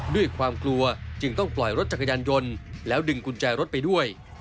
ด้วยความกลัวจึงต้องปล่อยรถจักรยานยนต์แล้วดึงกุญแจรถไปด้วย